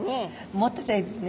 持ってたいですね。